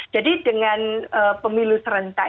jadi dengan pemilu serentak